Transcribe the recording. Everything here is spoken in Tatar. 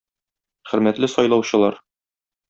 Хөрмәтле сайлаучылар!